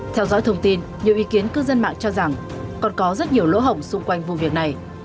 theo dõi thông tin nhiều ý kiến cư dân mạng cho rằng còn có rất nhiều lỗ hổng xung quanh vụ việc này